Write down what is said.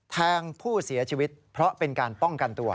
แทงผู้เสียชีวิตเพราะเป็นการป้องกันตัว